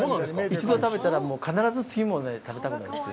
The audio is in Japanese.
一度食べたら、必ず次も食べたくなります。